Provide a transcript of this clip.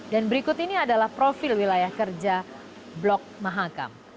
dan berikut ini adalah profil wilayah kerja blok mahakam